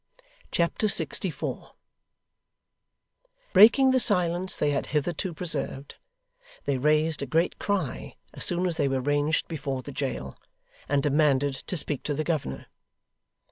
Chapter 64 Breaking the silence they had hitherto preserved, they raised a great cry as soon as they were ranged before the jail, and demanded to speak to the governor.